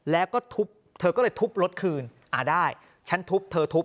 แล้วก็ทุบเธอก็เลยทุบรถคืนอ่าได้ฉันทุบเธอทุบ